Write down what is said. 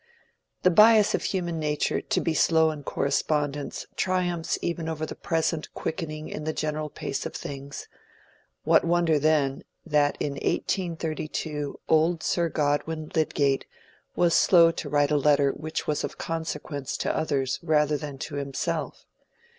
The bias of human nature to be slow in correspondence triumphs even over the present quickening in the general pace of things: what wonder then that in 1832 old Sir Godwin Lydgate was slow to write a letter which was of consequence to others rather than to himself?